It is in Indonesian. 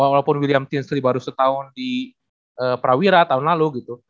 walaupun william tinus tiga baru setahun di prawira tahun lalu gitu